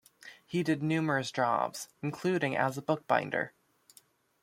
He did numerous jobs including as a bookbinder.